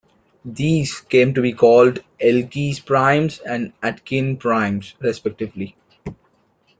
These came to be called Elkies primes and Atkin primes respectively.